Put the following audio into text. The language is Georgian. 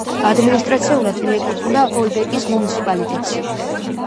ადმინისტრაციულად მიეკუთვნება ჰოლბეკის მუნიციპალიტეტს.